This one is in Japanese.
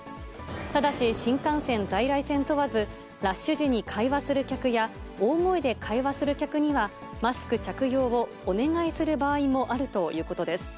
ただし、新幹線・在来線問わず、ラッシュ時に会話する客や、大声で会話する客にはマスク着用をお願いする場合もあるということです。